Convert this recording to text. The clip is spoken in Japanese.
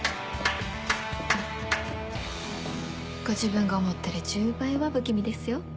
ご自分が思ってる１０倍は不気味ですよ。